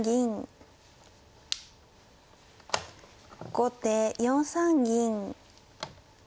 後手４三銀。